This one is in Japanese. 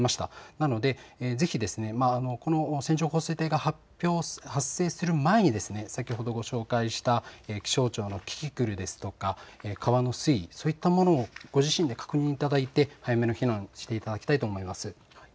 なので、ぜひこの線状降水帯が発生する前に先ほどご紹介した気象庁のキキクルですとか川の水位、そういったものをご自身で確認いただいて早めの避難、していただきたいと思います。